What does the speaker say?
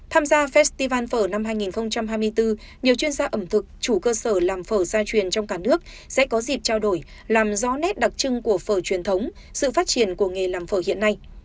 tham gia festival phở năm hai nghìn hai mươi bốn nhiều chuyên gia ẩm thực chủ cơ sở làm phở gia truyền trong cả nước sẽ có dịp trao đổi làm rõ nét đặc trưng của phở truyền thống sự phát triển của nghề làm phở hiện nay